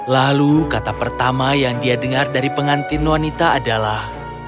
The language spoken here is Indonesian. lalu kata pertama yang dia dengar dari pengantin wanita adalah